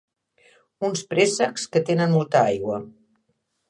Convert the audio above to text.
Uns préssecs que tenen molta aigua.